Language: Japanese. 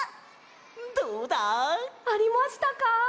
どうだ？ありましたか？